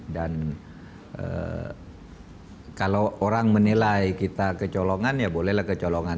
dan kalau orang menilai kita kecolongan ya bolehlah kecolongan